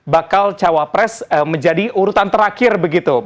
bakal cawa pres menjadi urutan terakhir begitu